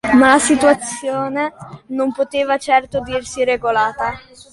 Ma la situazione non poteva certo dirsi regolata.